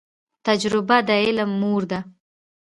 تجریبه د علم مور ده